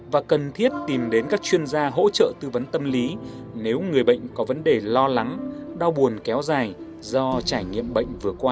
và cần thiết tìm đến các chuyên gia hỗ trợ tư vấn tâm lý nếu người bệnh có vấn đề lo lắng đau buồn kéo dài do trải nghiệm bệnh vừa qua